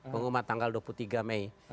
pengumat tanggal dua puluh tiga mei